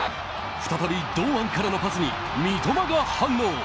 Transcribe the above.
再び堂安からのパスに三笘が反応。